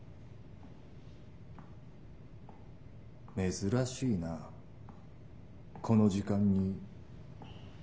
珍しいなこの時間に。